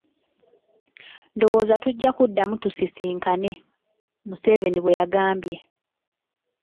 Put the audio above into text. "Ndowooza tujja kuddamu tusisinkane.” Museveni bwe yagambye.